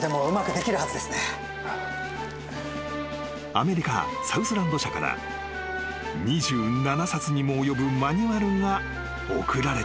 ［アメリカサウスランド社から２７冊にも及ぶマニュアルが送られてきた］